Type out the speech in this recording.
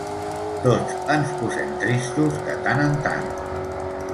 Tots ens posem tristos de tant en tant.